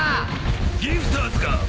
ギフターズか。